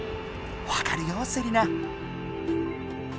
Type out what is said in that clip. わかるよセリナ。